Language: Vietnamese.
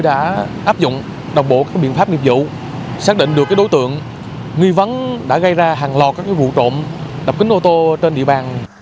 đã áp dụng đồng bộ các biện pháp nghiệp vụ xác định được đối tượng nghi vấn đã gây ra hàng loạt các vụ trộm đập kính ô tô trên địa bàn